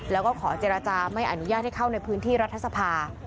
แล้วก็ขอเจรจาไม่อนุญาตให้เข้าในพื้นที่รัฐสภา